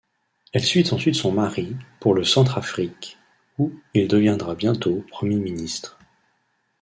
Elle suit ensuite son mari pour le Centrafrique, où il deviendra bientôt Premier ministre.